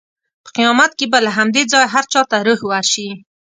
په قیامت کې به له همدې ځایه هر چا ته روح ورشي.